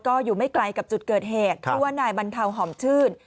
ก็อยู่ไม่ไกลกับจุดเกิดแหกตัวนายบรรเทาหอมชื่น